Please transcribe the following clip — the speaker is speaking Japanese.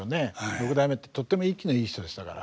六代目ってとってもイキのいい人でしたから。